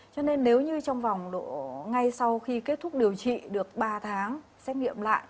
cho nên nếu như trong vòng ngay sau khi kết thúc điều trị được ba tháng xét nghiệm lại